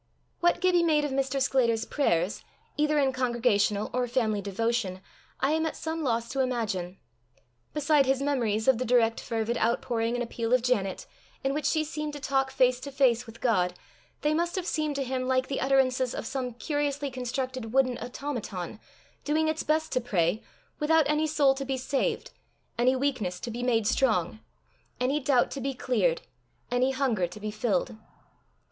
What Gibbie made of Mr. Sclater's prayers, either in congregational or family devotion, I am at some loss to imagine. Beside his memories of the direct fervid outpouring and appeal of Janet, in which she seemed to talk face to face with God, they must have seemed to him like the utterances of some curiously constructed wooden automaton, doing its best to pray, without any soul to be saved, any weakness to be made strong, any doubt to be cleared, any hunger to be filled.